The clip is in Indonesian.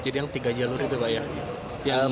jadi yang tiga jalur itu pak ya